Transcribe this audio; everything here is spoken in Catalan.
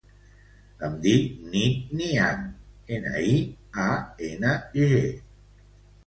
Em dic Nit Niang: ena, i, a, ena, ge.